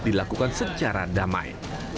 dilakukan secara damai